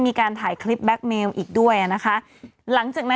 มีแนวโน้มที่อเมริกาเป็นอย่างนี้นะ